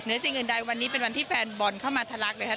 สิ่งอื่นใดวันนี้เป็นวันที่แฟนบอลเข้ามาทะลักเลยครับ